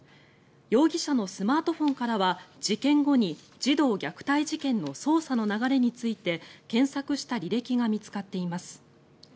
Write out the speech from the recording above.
容疑者のスマートフォンからは事件後に児童虐待事件の捜査の流れについて検索した履歴が見つかっています。